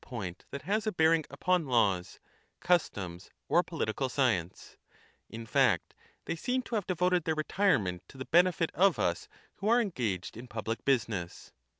xliv that has a bearing upon laws, customs, or politicai science ; in fact, they seem to have devoted their re tirement to the benefit of us who are engaged in pubHc business.